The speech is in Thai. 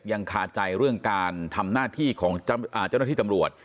คาใจเรื่องการทำหน้าที่ของเจ้าหน้าที่ตำรวจ